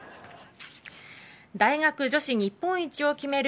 大学女子日本一を決める